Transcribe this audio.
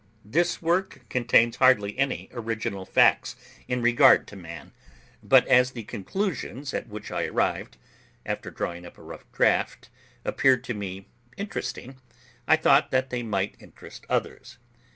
This work contains hardly any original facts in regard to man; but as the conclusions at which I arrived, after drawing up a rough draft, appeared to me interesting, I thought that they might interest others.